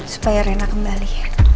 supaya reina kembali